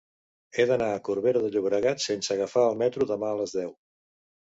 He d'anar a Corbera de Llobregat sense agafar el metro demà a les deu.